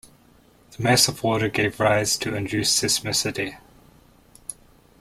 The mass of water gave rise to induced seismicity.